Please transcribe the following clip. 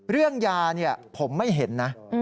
เรื่องยาผมไม่เห็นนะ